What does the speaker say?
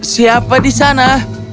siapa di sana